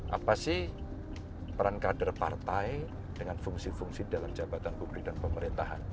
apa sih peran kader partai dengan fungsi fungsi dalam jabatan publik dan pemerintahan